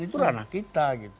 itu ranah kita